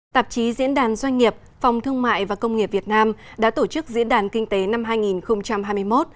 tạp chí diễn đàn doanh nghiệp phòng thương mại và công nghiệp việt nam đã tổ chức diễn đàn kinh tế năm hai nghìn hai mươi một